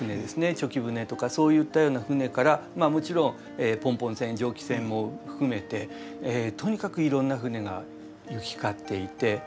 猪牙舟とかそういったような船からもちろんポンポン船蒸気船も含めてとにかくいろんな船が行き交っていて。